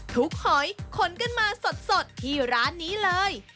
หอยขนกันมาสดที่ร้านนี้เลย